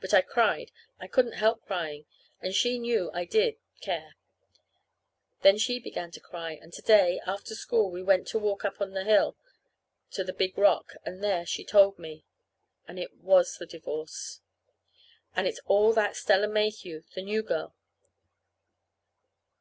But I cried. I couldn't help crying; and she knew I did care. Then she began to cry; and to day, after school, we went to walk up on the hill to the big rock; and there she told me. And it was the divorce. And it's all that Stella Mayhew the new girl.